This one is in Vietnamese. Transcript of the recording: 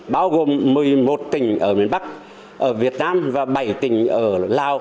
bao gồm một mươi một tỉnh ở miền bắc ở việt nam và bảy tỉnh ở lào